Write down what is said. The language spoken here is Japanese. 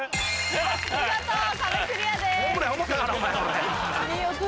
見事壁クリアです。